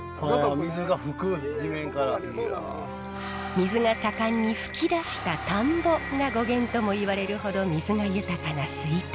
水が盛んに吹き出した田んぼが語源ともいわれるほど水が豊かな吹田。